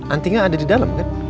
antinya ada di dalam kan